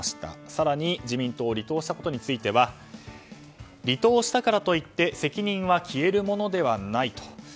更に自民党を離党したことについては離党したからといって責任は消えるものではないと。